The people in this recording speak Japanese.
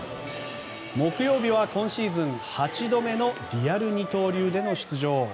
木曜日は今シーズン８度目のリアル二刀流での出場。